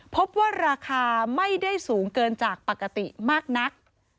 พบว่าราคาไม่ได้สูงเกินจากปกติมากนัก